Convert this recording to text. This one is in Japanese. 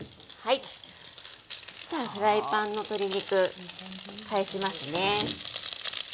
さあフライパンの鶏肉返しますね。